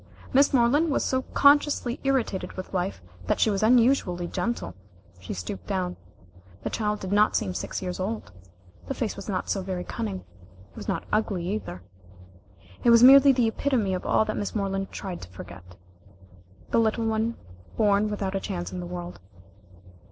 Miss Moreland was so consciously irritated with life that she was unusually gentle. She stooped down. The child did not seem six years old. The face was not so very cunning. It was not ugly, either. It was merely the epitome of all that Miss Moreland tried to forget the little one born without a chance in the world.